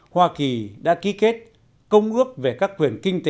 hoa kỳ đã ký kết công ước về các quyền chính trị